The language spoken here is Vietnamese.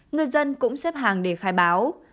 người dân cũng xếp hàng để khai báo